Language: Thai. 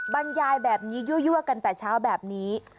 บรรยายแบบนี้ยั่วกันแต่เช้าแบบนี้